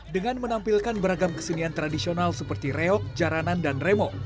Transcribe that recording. dengan menampilkan beragam kesenian tradisional seperti reok jaranan dan remo